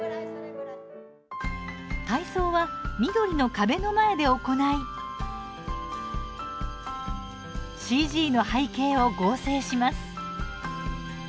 体操は緑の壁の前で行いＣＧの背景を合成します。